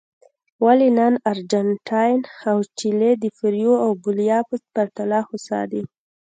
ولې نن ارجنټاین او چیلي د پیرو او بولیویا په پرتله هوسا دي.